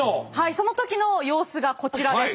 その時の様子がこちらです。